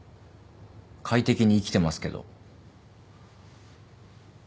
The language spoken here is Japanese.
快適に生きてますけど。